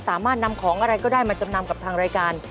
สามารถนำของอะไรก็ได้มาจำนำกับทางรายการ